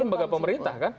itu lembaga pemerintah kan